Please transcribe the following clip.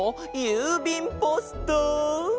ゆうびんポスト。